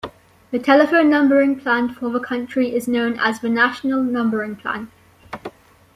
The telephone numbering plan for the country is known as the National Numbering Plan.